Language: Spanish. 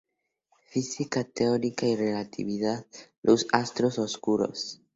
Física teórica y relatividad: los "astros oscuros".